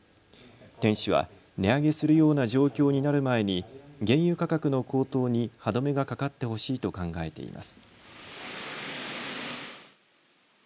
店主は値上げするような状況になる前に原油価格の高騰に歯止めがかかってほしいと考えています。